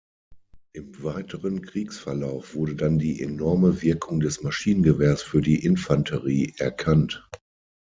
Im weiteren Kriegsverlauf wurde dann die enorme Wirkung des Maschinengewehrs für die Infanterie erkannt.